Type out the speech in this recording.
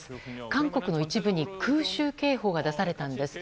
韓国の一部に空襲警報が出されたんです。